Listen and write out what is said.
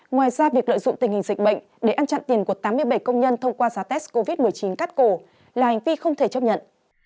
ngoài ra việc lợi dụng tình hình dịch bệnh để ăn chặn tiền của tám mươi bảy công nhân thông qua giá test covid một mươi chín cắt cổ là hành vi không thể chấp nhận